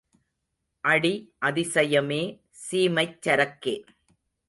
அடி அதிசயமே, சீமைச் சரக்கே!